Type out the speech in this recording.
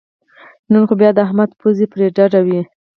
نن خو بیا د احمد پوزې پرې ډډې وې